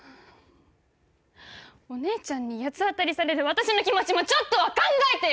お姉ちゃんに八つ当たりされる私の気持ちもちょっとは考えてよ